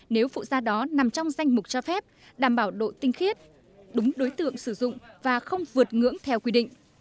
nếu phụ da đó nằm trong danh mục cho phép đảm bảo độ tinh khiết đúng đối tượng sử dụng và không vượt ngưỡng theo quy định